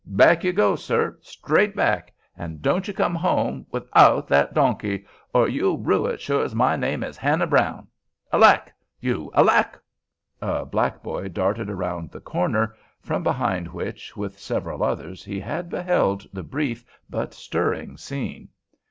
Back you go, sir—straight back; an' don't you come home 'thout that donkey, or you'll rue it, sure as my name is Hannah Brown. Aleck!—you Aleck k k!" A black boy darted round the corner, from behind which, with several others, he had beheld the brief but stirring scene.